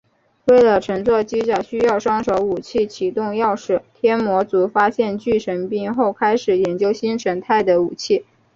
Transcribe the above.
为了乘坐机甲需要双手武器启动钥匙天魔族发现巨神兵后开始研究新形态的武器。